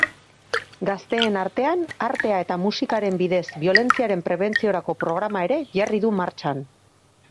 Gazteen artean artea eta musikaren bidez biolentziaren prebentziorako programa ere jarri du martxan.